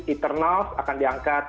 eternals akan diangkat